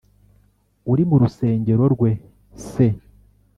Uri mu rusengero rwe se